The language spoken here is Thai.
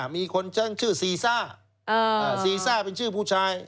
มีคนชื่อซีซ่าซีซ่าเป็นชื่อผู้ชาย